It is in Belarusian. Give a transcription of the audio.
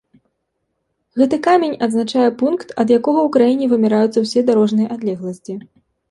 Гэты камень адзначае пункт, ад якога ў краіне вымяраюцца ўсе дарожныя адлегласці.